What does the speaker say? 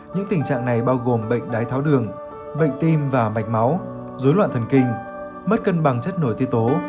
những tình trạng này bao gồm bệnh đái tháo đường bệnh tim và mạch máu dối loạn thần kinh mất cân bằng chất nổi tiếng tố